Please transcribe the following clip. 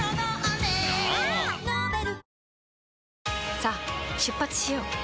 さあ出発しよう。